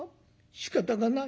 しかたがない。